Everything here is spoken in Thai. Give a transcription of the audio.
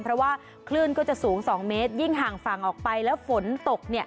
เพราะว่าคลื่นก็จะสูง๒เมตรยิ่งห่างฝั่งออกไปแล้วฝนตกเนี่ย